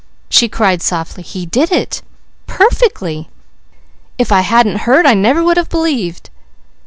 She cried softly: "He did it! Perfectly! If I hadn't heard I never would have believed."